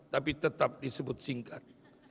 tapi tetap disebut singkat